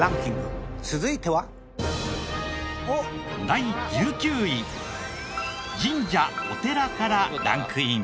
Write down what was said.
第１９位神社・お寺からランクイン。